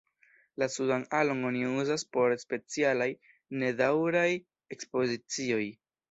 La sudan alon oni uzas por specialaj, nedaŭraj ekspozicioj.